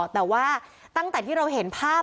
แต่ว่าตั้งแต่ที่เราเห็นภาพ